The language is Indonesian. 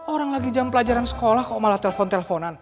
orang lagi jam pelajaran sekolah kok malah telepon teleponan